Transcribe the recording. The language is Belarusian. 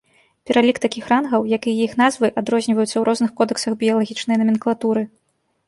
Пералік такіх рангаў, як і іх назвы, адрозніваюцца ў розных кодэксах біялагічнай наменклатуры.